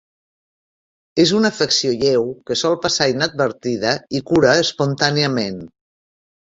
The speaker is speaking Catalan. És una afecció lleu que sol passar inadvertida i cura espontàniament.